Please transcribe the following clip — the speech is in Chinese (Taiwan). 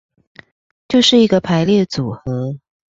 就是一個排列組合